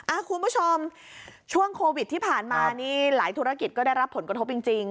คุณผู้ชมช่วงโควิดที่ผ่านมานี่หลายธุรกิจก็ได้รับผลกระทบจริงจริง